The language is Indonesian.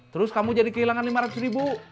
terus kamu jadi kehilangan lima ratus ribu